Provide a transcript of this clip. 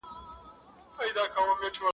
!شینکی آسمانه؛